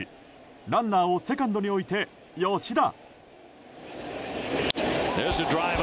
ランナーをセカンドに置いて吉田。